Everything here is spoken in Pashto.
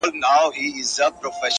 په شاعرۍ کي رياضت غواړمه”